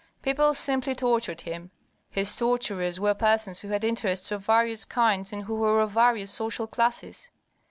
People simply tortured him; his torturers were persons who had interests of various kinds and who were of various social classes.